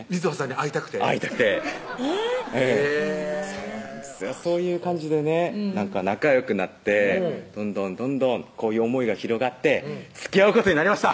会いたくてえぇっえぇそういう感じでねなんか仲よくなってどんどんどんどんこういう思いが広がってつきあうことになりました